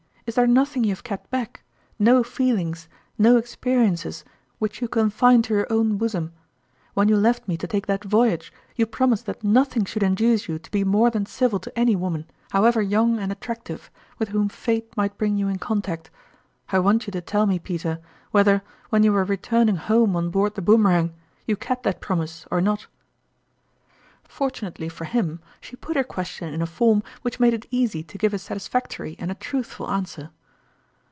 Is there nothing you have kept back no feel ings, no experiences, which you confine to your own bosom ? When you left me to take that voyage, you promised that nothing should induce you to be more than civil to any woman, however young and attractive, with whom Fate might bring you in contact. I want you to tell me, Peter, whether, when you were returning home on board the Boomerang, you kept that promise or not ?" Fortunately for him, she put her question in a form which made it easy to give a satis factory and a truthful answer.